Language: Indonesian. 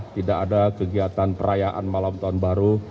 tidak ada kegiatan perayaan malam tahun baru